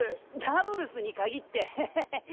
ダブルスに限ってへへへ。